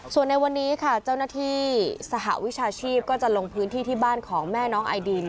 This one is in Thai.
ส่วนในวันนี้ค่ะเจ้าหน้าที่สหวิชาชีพก็จะลงพื้นที่ที่บ้านของแม่น้องไอดิน